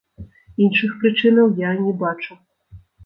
Іншых прычынаў я не бачу.